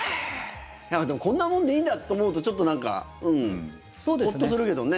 なんか、でもこんなもんでいいんだと思うとちょっと、なんかホッとするけどね。